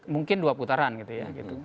mungkin dua putaran gitu ya